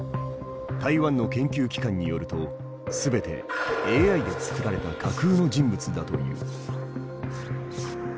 台湾の研究機関によると全てＡＩで作られた架空の人物だという。